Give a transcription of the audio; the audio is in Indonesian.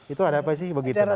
itu ada apa sih